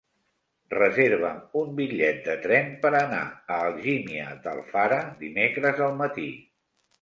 Reserva'm un bitllet de tren per anar a Algímia d'Alfara dimecres al matí.